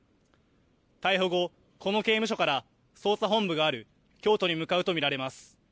逮捕後、この刑務所から捜査本部がある京都に向かうと見られます。